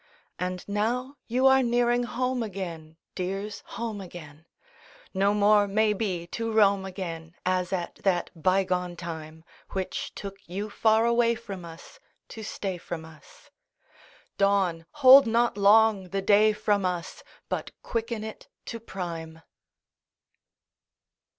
IV And now you are nearing home again, Dears, home again; No more, may be, to roam again As at that bygone time, Which took you far away from us To stay from us; Dawn, hold not long the day from us, But quicken it to prime!